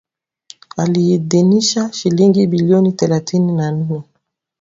Aliidhinisha shilingi bilioni thelethini na nne.